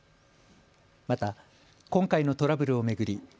また今回のトラブルを巡り